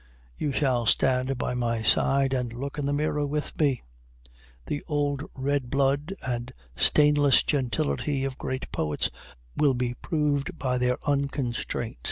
You shall stand by my side and look in the mirror with me. The old red blood and stainless gentility of great poets will be proved by their unconstraint.